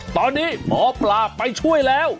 ตอนนี้หมอปลาไปช่วยแล้ว